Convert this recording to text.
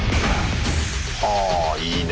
あいいね。